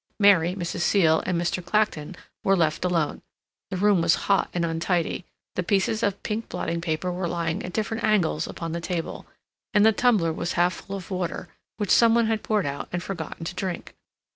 Mary, Mrs. Seal, and Mr. Clacton were left alone; the room was hot and untidy, the pieces of pink blotting paper were lying at different angles upon the table, and the tumbler was half full of water, which some one had poured out and forgotten to drink.